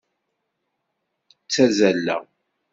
Ttazzaleɣ.